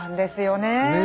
ねえ。